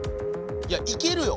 いやいけるよ。